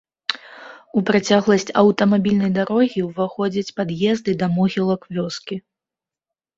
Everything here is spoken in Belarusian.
У працягласць аўтамабільнай дарогі ўваходзяць пад'езды да могілак вёскі.